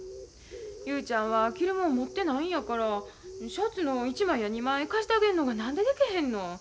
雄ちゃんは着るもん持ってないんやからシャツの１枚や２枚貸してあげるのが何ででけへんの。